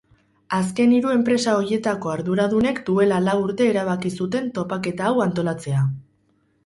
Azken hiru enpresa horietako arduradunek duela lau urte erabaki zuten topaketa hau antolatzea.